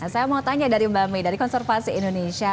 kemudian pertanyaannya dari mbak mi dari konservasi indonesia